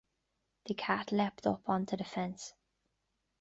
The cat leapt up on to the fence.